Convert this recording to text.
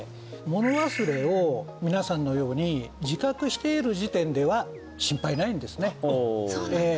もの忘れを皆さんのように自覚している時点では心配ないんですねええ